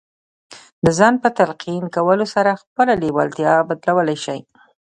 د ځان په تلقين کولو سره خپله لېوالتیا بدلولای شئ.